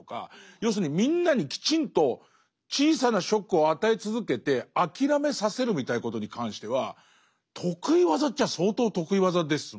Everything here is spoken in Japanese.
要するにみんなにきちんと小さなショックを与え続けて諦めさせるみたいなことに関しては得意技っちゃ相当得意技ですもんね。